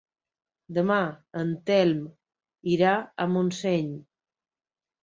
Demà en Telm irà a Montseny.